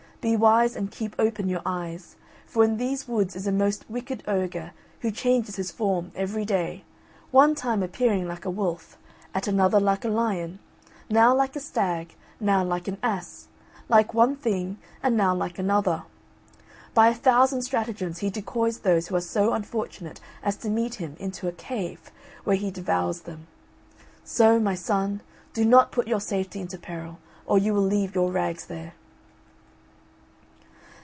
Be wise and keep open your eyes, for in these woods is a most wicked ogre who changes his form every day, one time appearing like a wolf, at another like a lion, now like a stag, now like an ass, like one thing and now like another. By a thousand stratagems he decoys those who are so unfortunate as to meet him into a cave, where he devours them. So, my son, do not put your safety into peril, or you will leave your rags there."